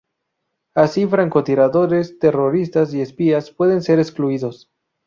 Así, francotiradores, terroristas y espías pueden ser excluidos.